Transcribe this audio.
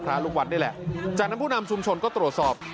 ลูกวัดนี่แหละจากนั้นผู้นำชุมชนก็ตรวจสอบ